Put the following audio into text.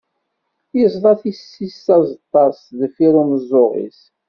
Tezḍa tisist azeṭṭa-s deffir umeẓẓuɣ-is.